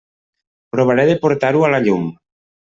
Provaré de portar-ho a la llum.